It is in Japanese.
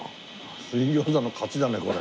水餃子の勝ちだねこれ。